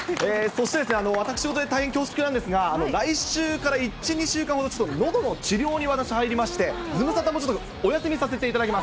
そしてですね、私事で大変恐縮なんですが、来週から１、２週間ほど、ちょっとのどの治療に私、入りまして、ズムサタもちょっと、あら、さみしい。